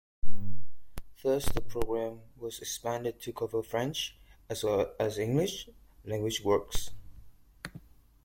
Thus the program was expanded to cover French- as well as English-language works.